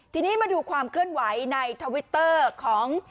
ทีนี้มาดูความเคลื่อนไหวในทวิตเตอร์ของ